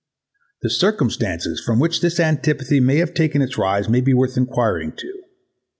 The circumstances from which this antipathy may have taken its rise may be worth enquiring to.